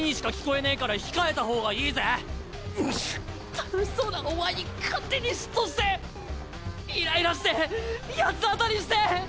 楽しそうなお前に勝手に嫉妬してイライラして八つ当たりして。